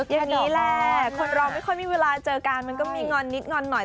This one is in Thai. อย่างนี้แหละคนเราไม่ค่อยมีเวลาเจอกันมันก็มีงอนนิดงอนหน่อย